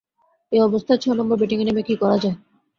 এ অবস্থায় ছয় নম্বরে ব্যাটিংয়ে নেমে কী করা যায়?